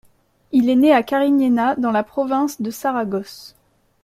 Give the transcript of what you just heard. Il est né à Cariñena, dans la province de Saragosse.